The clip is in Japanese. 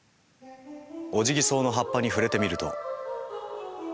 オジギソウの葉っぱに触れてみると。